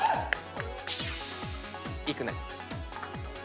いくね。